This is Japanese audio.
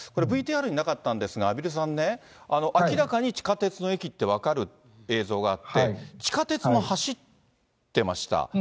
ＶＴＲになかったんですが、畔蒜さんね、明らかに地下鉄の駅って分かる映像があって、地下鉄も走ってました。